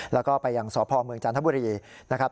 แล้วก็ไปยังสพเมืองจันทบุรีนะครับ